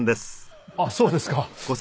あっそうですか。